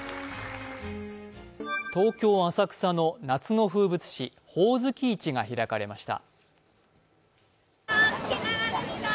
東京・浅草の夏の風物詩、ほおずき市が開かれました。